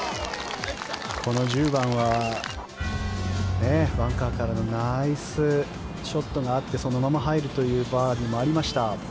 この１０番はバンカーからのナイスショットがあってそのまま入るというバーディーもありました。